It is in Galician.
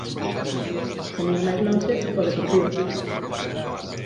Sen ir máis lonxe, o Deportivo.